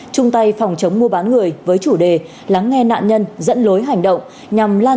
chung tay phòng chống mua bán người với chủ đề lắng nghe nạn nhân dẫn lối hành động nhằm lan